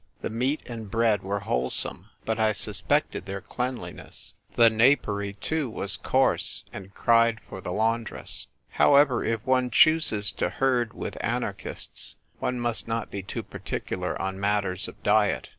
The meat and bread were wholesome; but I suspected their cleanliness. The napery, too, was coarse and cried for the laundress. However, if one chooses to THE INNER BROTHERHOOD. 6l herd with anarchists, one must not be too particular on matters of diet.